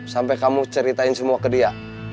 sampai kamu ceritain semua ke dia